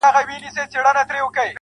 o څڼي سرې شونډي تكي تـوري سترگي.